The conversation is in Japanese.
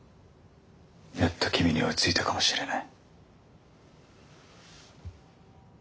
やっと君に追いついたかもしれない。